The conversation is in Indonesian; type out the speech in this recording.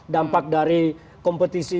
dampak dari kompetisi